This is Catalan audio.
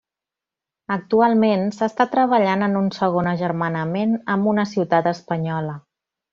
Actualment s'està treballant en un segon agermanament amb una ciutat espanyola.